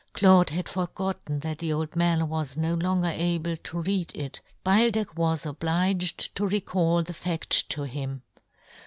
Claude had forgotten that the old man w^as no longer able to read it; Beildech w^as obliged to recall the fad: to him.